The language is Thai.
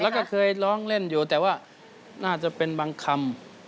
แล้วก็เคยร้องเล่นอยู่แต่ว่าน่าจะเป็นบางคำ